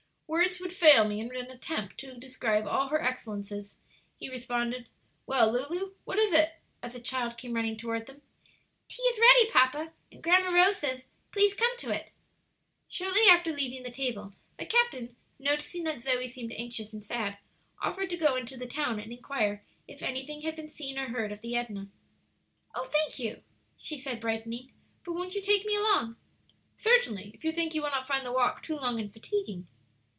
"Words would fail me in an attempt to describe all her excellences," he responded. "Well, Lulu, what is it?" as the child came running toward them. "Tea is ready, papa, and Grandma Rose says 'please come to it.'" Shortly after leaving the table, the captain, noticing that Zoe seemed anxious and sad, offered to go into the town and inquire if anything had been seen or heard of the Edna. "Oh, thank you," she said, brightening; "but won't you take me along?" "Certainly, if you think you will not find the walk too long and fatiguing."